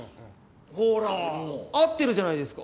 ほら合ってるじゃないですか！